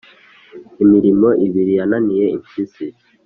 Imirimo ibiri yananiye impyisi